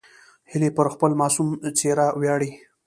هیلۍ پر خپل معصوم څېره ویاړي